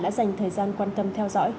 đã dành thời gian quan tâm theo dõi